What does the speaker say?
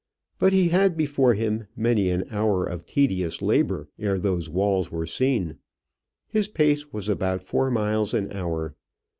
But he had before him many an hour of tedious labour ere those walls were seen. His pace was about four miles an hour.